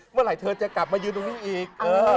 เมื่อไหร่เธอจะกลับมายืนตรงนี้อีก